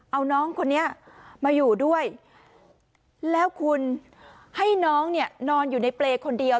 เอาน้องคนนี้มาอยู่ด้วยแล้วคุณให้น้องเนี่ยนอนอยู่ในเปรย์คนเดียว